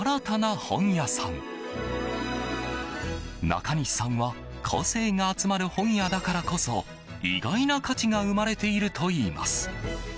中西さんは個性が集まる本屋だからこそ意外な価値が生まれているといいます。